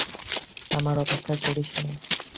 আমার অপেক্ষা করিস না।